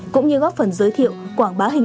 cũng như góp phần giới thiệu quảng bá hàng